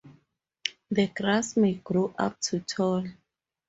The grass may grow up to tall.